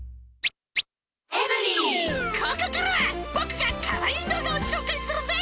ここからは僕がかわいい動画を紹介するぜ。